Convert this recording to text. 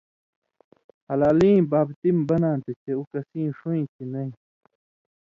ہلالیں بابتی مہ بناں تھو چےۡ اُو کسیں ݜُون٘یں تھی نَیں